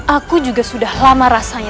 aku juga sudah lama rasanya